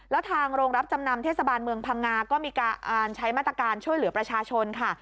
แล้วทางโรงรับจำนำเทศบาลเมืองพังงาก็มีการใช้มาตรการช่วยเหลือประชาชนค่ะ